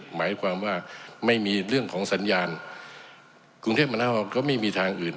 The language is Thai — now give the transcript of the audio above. หมายความว่าไม่มีเรื่องของสัญญาณกรุงเทพมหานครก็ไม่มีทางอื่น